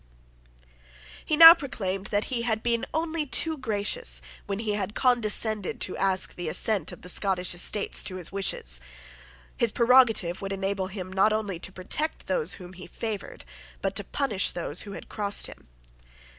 He now proclaimed that he had been only too gracious when he had condescended to ask the assent of the Scottish Estates to his wishes. His prerogative would enable him not only to protect those whom he favoured, but to punish those who had crossed him.